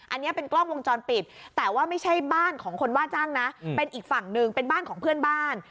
อันนี้เป็นกล้องวงจรปิดแต่ว่าไม่ใช่บ้านของคนว่าจ้างนะเป็นอีกฝั่งหนึ่งเป็นบ้านของเพื่อนบ้าน